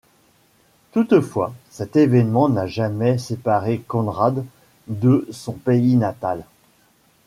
Toutefois, cet événement n'a jamais séparé Conrad de son pays natal.